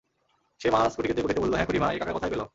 সে মাছ কুটিতে কুটিতে বলিল, হ্যাঁ খুড়িমা, এ কাঁকড়া কোথায় পেলো?